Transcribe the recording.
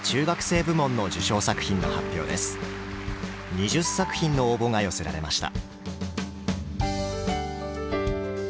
２０作品の応募が寄せられました。